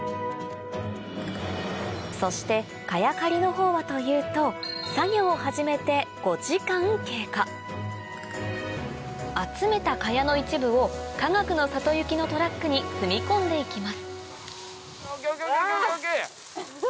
そして茅刈りのほうはというと作業を始めて５時間経過集めた茅の一部をかがくの里行きのトラックに積み込んでいきますうわ！